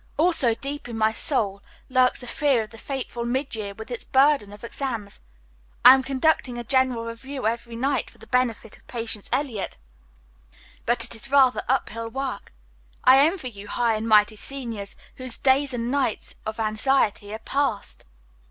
"Also deep in my soul lurks the fear of the fateful midyear with its burden of exams. I am conducting a general review every night for the benefit of Patience Eliot, but it is rather up hill work. I envy you high and mighty seniors, whose days and nights of anxiety are past."